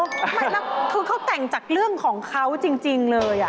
ไม่แล้วคือเขาแต่งจากเรื่องของเขาจริงเลย